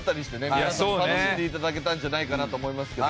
皆さんに楽しんでいただけたんじゃないかなと思いますけど。